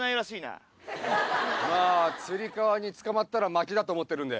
まあつり革につかまったら負けだと思ってるんで。